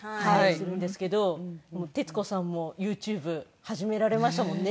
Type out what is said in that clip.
するんですけど徹子さんもユーチューブ始められましたもんね。